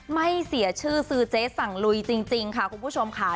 ไม่เสียชื่อซื้อเจ๊สั่งลุยจริงค่ะคุณผู้ชมค่ะ